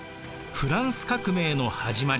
フランス革命の始まりです。